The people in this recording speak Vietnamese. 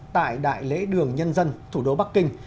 tại đại lễ đường nhân dân thủ đô bắc kinh